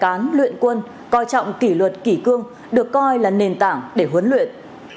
công tác rèn cán luyện quân coi trọng kỷ luật kỷ cương được coi là nền tảng để huấn luyện